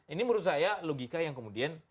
ini menurut saya logika yang kemudian